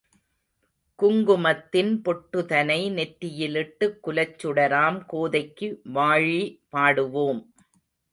குங்குமத்தின் பொட்டுதனை நெற்றியிலிட்டு குலச் சுடராம் கோதைக்கு வாழி பாடுவோம்.